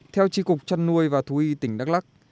theo tri cục chăn nuôi và thú y tỉnh đắk lắc